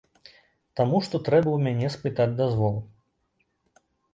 Таму што трэба ў мяне спытаць дазвол.